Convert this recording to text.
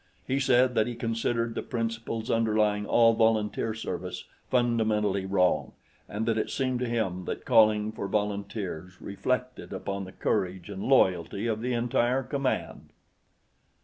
He said that he considered the principles underlying all volunteer service fundamentally wrong, and that it seemed to him that calling for volunteers reflected upon the courage and loyalty of the entire command.